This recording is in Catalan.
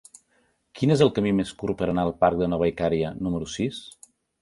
Quin és el camí més curt per anar al parc de Nova Icària número sis?